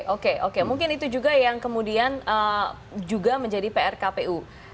oke oke mungkin itu juga yang kemudian juga menjadi pr kpu